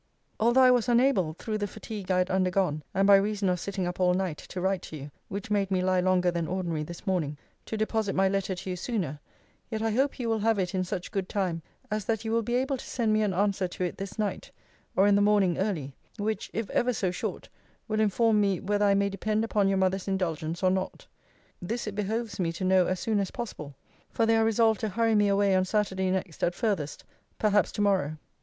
Although I was unable (through the fatigue I had undergone, and by reason of sitting up all night, to write to you, which made me lie longer than ordinary this morning) to deposit my letter to you sooner, yet I hope you will have it in such good time, as that you will be able to send me an answer to it this night, or in the morning early; which, if ever so short, will inform me, whether I may depend upon your mother's indulgence or not. This it behoves me to know as soon as possible; for they are resolved to hurry me away on Saturday next at farthest; perhaps to morrow.